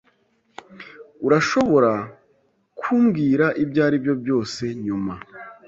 Urashobora kumbwira ibyaribyo byose nyuma.